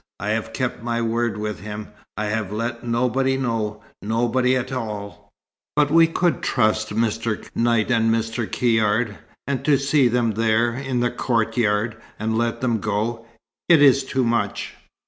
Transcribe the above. "I have kept my word with him. I have let nobody know nobody at all. But we could trust Mr. Knight and Mr. Caird. And to see them there, in the courtyard, and let them go it is too much!"